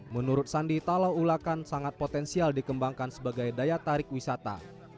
menurut sandi talaulakan sangat potensial dikembangkan sebagai daya tarik wisata